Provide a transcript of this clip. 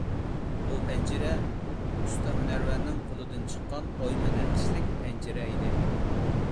بۇ پەنجىرە ئۇستا ھۈنەرۋەننىڭ قولىدىن چىققان ئويما نەقىشلىك پەنجىرە ئىدى.